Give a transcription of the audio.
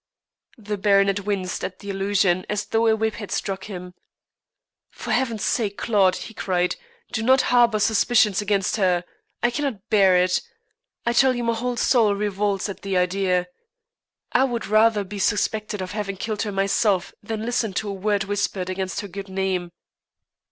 The baronet winced at the allusion as though a whip had struck him. "For heaven's sake, Claude," he cried, "do not harbor suspicions against her. I cannot bear it. I tell you my whole soul revolts at the idea. I would rather be suspected of having killed her myself than listen to a word whispered against her good name."